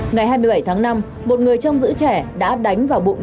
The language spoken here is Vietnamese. ngày hai mươi bảy tháng năm một người trong giữ trẻ đã đánh vào bụng trẻ em